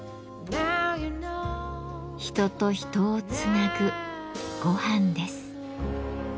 人と人をつなぐごはんです。